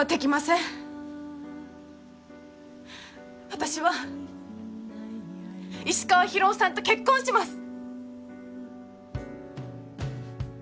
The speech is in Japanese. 私は石川博夫さんと結婚します。